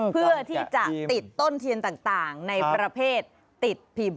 เพื่อที่จะติดต้นเทียนต่างในประเภทติดพิมพ์